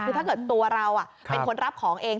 คือถ้าเกิดตัวเราเป็นคนรับของเอง